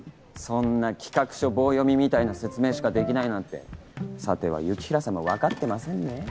そんな企画書棒読みみたいな説明しかできないなんてさては雪平さんも分かってませんね？